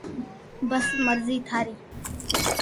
بس مر زي ٿاري